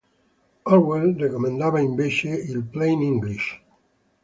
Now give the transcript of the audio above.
Orwell raccomandava invece il "Plain English".